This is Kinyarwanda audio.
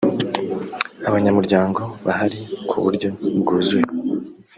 abanyamuryango bahari kuburyo bwuzuye.